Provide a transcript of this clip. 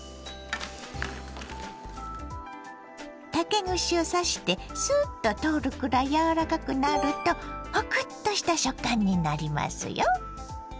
竹串を刺してスッと通るくらい柔らかくなるとホクッとした食感になりますよ。